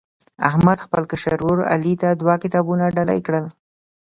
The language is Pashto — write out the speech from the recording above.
احمد خپل کشر ورر علي ته دوه کتابونه ډالۍ کړل.